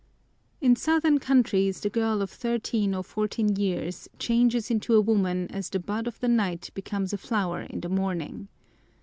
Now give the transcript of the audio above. In southern countries the girl of thirteen or fourteen years changes into a woman as the bud of the night becomes a flower in the morning.